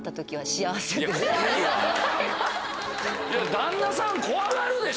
旦那さん怖がるでしょ。